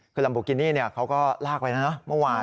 คือรำบุกินี่เนี่ยเค้าก็ลากไปนะเมื่อวาน